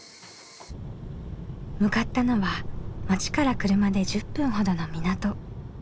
向かったのは町から車で１０分ほどの港。